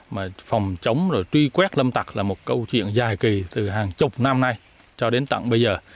mà phòng chống rồi truy quét lâm tặc là một câu chuyện dài kỳ từ hàng chục năm nay cho đến tận bây giờ